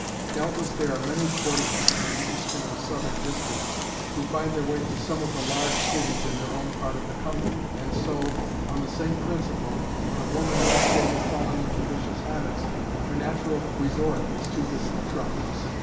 Doubtless there are many courtesans from the eastern and southern districts who find their way to some of the large cities in their own part of the country, and so, on the same principle, when a woman in this state has fallen into vicious habits her natural resort is to this metropolis.